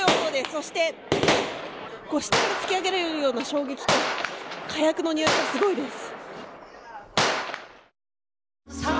そして下から突き上げるような衝撃と火薬のにおいがすごいです。